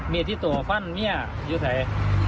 มีดที่ตัวฟันเมียอยู่ไหน